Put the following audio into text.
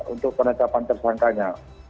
untuk penercapan tersangkanya